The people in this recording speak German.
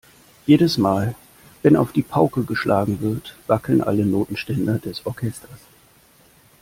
Jedes Mal, wenn auf die Pauke geschlagen wird, wackeln alle Notenständer des Orchesters.